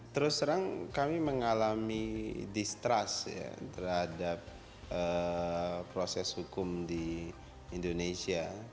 terus terang kami mengalami distrust terhadap proses hukum di indonesia